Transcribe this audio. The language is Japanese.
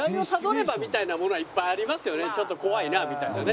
ちょっと怖いなみたいなね。